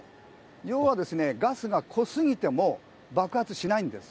要はガスが濃すぎても爆発しないんです。